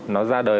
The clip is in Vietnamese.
nó ra đời